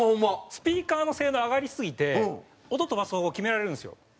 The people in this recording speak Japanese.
スピーカーの性能上がりすぎて音飛ばす方向決められるんですよ。